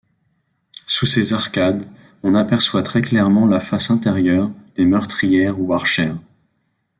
Sous ces arcades, on aperçoit très clairement la face intérieure des meurtrières ou archères.